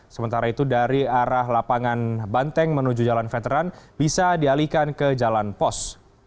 sementara itu dari arah lapangan banteng menuju jalan veteran bisa dialihkan ke jalan pos